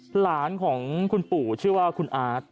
หลานของคุณปู่ชื่อว่าคุณอาร์ต